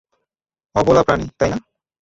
অবলা প্রাণি, তাই না?